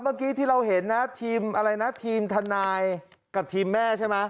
เมื่อกี้ที่เราเห็นนะทีมอะไรนะทีมทนายกับทีมแม่ใช่ไหม